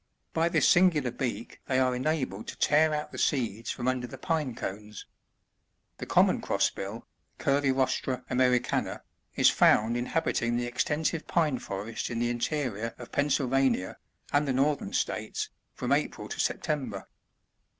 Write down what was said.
By this singular beak they are enabled to tear out the seeds from under the pine cones. The Common Crossbill, — Cvrcitrstta ^mericanai ^ts found inhabiting the ex tensive pine forests in the interior of Pennsylvania, and the Northern States, from April to September.